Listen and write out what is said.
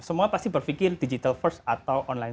semua pasti berpikir digital first atau online